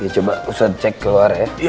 coba usah cek keluar ya